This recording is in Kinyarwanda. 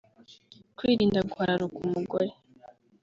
Kwirinda guhararukwa umugore